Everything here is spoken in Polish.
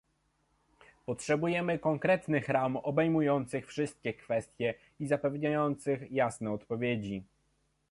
Potrzebujemy konkretnych ram obejmujących wszystkie kwestie i zapewniających jasne odpowiedzi